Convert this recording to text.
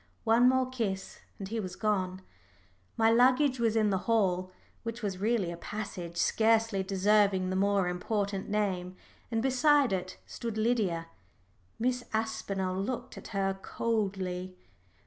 One more kiss and he was gone. My luggage was in the hall which was really a passage scarcely deserving the more important name and beside it stood Lydia. Miss Aspinall looked at her coldly.